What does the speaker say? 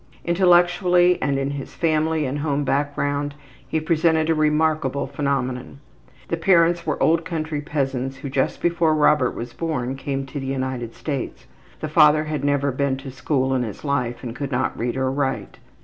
Intellectually and in his family and home background he presented a remarkable phenomenon. His parents were old country peasants who just before Robert was born came to the United States. The father had never been to school in his life and could not read or write.